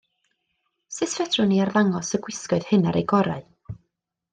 Sut feddwn ni arddangos y gwisgoedd hyn ar eu gorau?